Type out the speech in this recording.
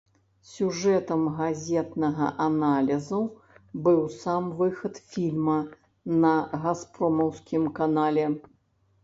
Сюжэтам газетнага аналізу быў сам выхад фільма на газпромаўскім канале.